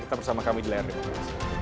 tetap bersama kami di layar demokrasi